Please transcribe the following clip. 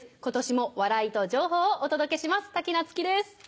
今年も笑いと情報をお届けします。